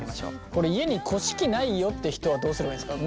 これ家にこし器ないよって人はどうすればいいんですか？